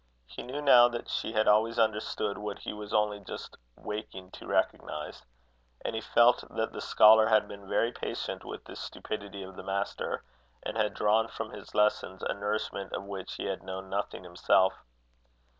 He knew now that she had always understood what he was only just waking to recognize. And he felt that the scholar had been very patient with the stupidity of the master, and had drawn from his lessons a nourishment of which he had known nothing himself.